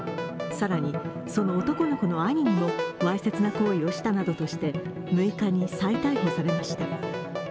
更に、その男の子の兄にもわいせつな行為をしたなどとして６日に再逮捕されました。